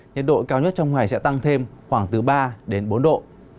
nhiệt độ cao nhất trong ngày sẽ tăng thêm khoảng từ ba đến bốn độ